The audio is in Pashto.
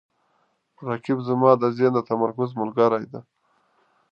رقیب زما د ذهن د تمرکز ملګری دی